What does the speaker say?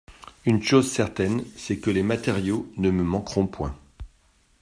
Une chose certaine, c'est que les matériaux ne me manqueront point.